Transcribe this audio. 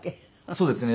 そうですね。